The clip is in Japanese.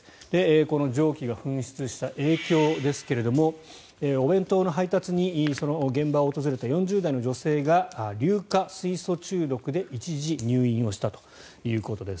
この蒸気が噴出した影響ですがお弁当の配達に現場を訪れた４０代の女性が硫化水素中毒で一時、入院したということです。